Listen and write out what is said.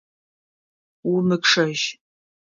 Умычъэжь!